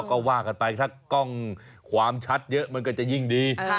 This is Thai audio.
ก็ว่ากันไปถ้ากล้องความชัดเยอะมันก็จะยิ่งดี